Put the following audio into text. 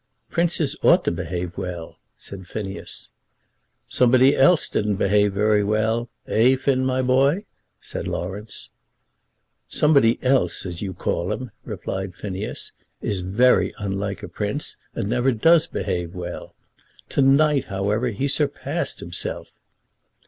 "Princes ought to behave well," said Phineas. "Somebody else didn't behave very well, eh, Finn, my boy?" said Laurence. "Somebody else, as you call him," replied Phineas, "is very unlike a Prince, and never does behave well. To night, however, he surpassed himself."